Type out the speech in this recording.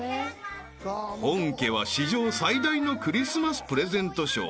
［本家は史上最大のクリスマスプレゼントショー］